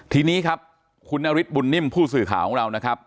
ทีนี้ครับคุณนฤทธบุญนิ่มผู้สื่อข่าวของเรานะครับ